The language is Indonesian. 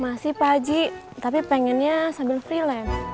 masih pak haji tapi pengennya sambil freelance